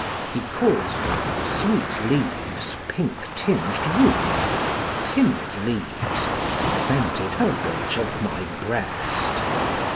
He calls them "sweet leaves, pink tinged roots, timid leaves," "scented herbage of my breast."